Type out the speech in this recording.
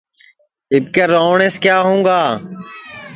اِٻکے رووَٹؔینٚس کِیا ہوؤں گا